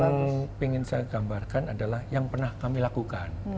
yang ingin saya gambarkan adalah yang pernah kami lakukan